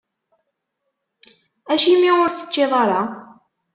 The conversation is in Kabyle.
Acimi ur teččiḍ ara?